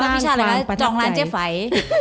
หมายถึงว่าวิชาเรียนก็จะจองร้านเจฟัย